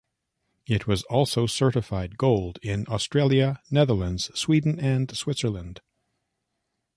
It was also certified Gold in Australia, Netherlands, Sweden and Switzerland.